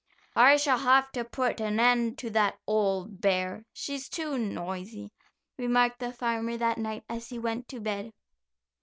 "I shall have to put an end to that old bear; she's too noisy," remarked the farmer that night, as he went to bed.